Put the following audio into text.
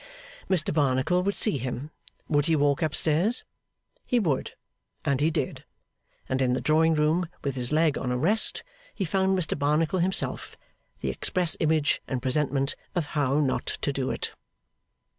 Mr Barnacle would see him. Would he walk up stairs? He would, and he did; and in the drawing room, with his leg on a rest, he found Mr Barnacle himself, the express image and presentment of How not to do it.